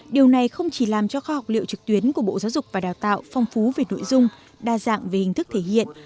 điều này không chỉ làm cho kho học liệu trực tuyến của bộ giáo dục và đào tạo phong phú về nội dung đa dạng về hình thức thể hiện